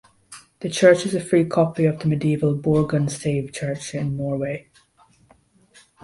The church is a free copy of the medieval Borgund Stave Church in Norway.